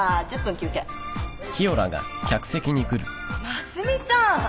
真澄ちゃん！？